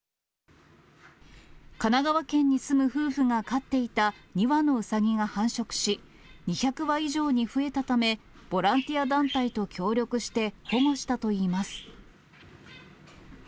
神奈川県に住む夫婦が飼っていた２羽のうさぎが繁殖し、２００羽以上に増えたため、ボランティア団体が協力して、保護したといいます。